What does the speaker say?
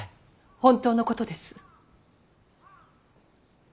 本当のことです。